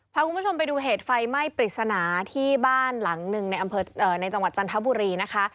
พาคุณผู้ชมไปดูเหตุไฟไหม้ปริศนาที่บ้านหลังหนึ่งในอำเภอในจังหวัดจันทบุรีนะคะ